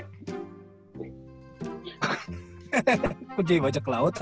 gua jadi bajak laut aja